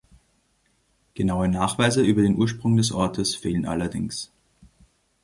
Genaue Nachweise über den Ursprung des Ortes fehlen allerdings.